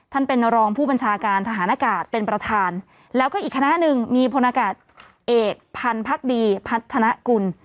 ท่านเป็นรองผู้บัญชาการทหารอากาศเป็นประธานแล้วก็อีกคณะหนึ่งมีพลอากาศเอกพันธ์พักดีพัฒนากุล